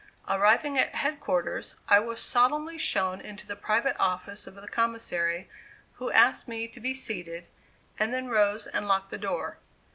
Arriving at head quarters, I was solemnly shown into the private office of the Commissary who asked me to be seated, and then rose and locked the door.